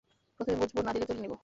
প্রথমে বুঝাবো, না দিলে তুলে নিবো!